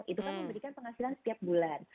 itu kan memberikan penghasilan setiap bulan